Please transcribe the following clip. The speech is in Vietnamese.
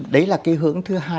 đấy là cái hướng thứ hai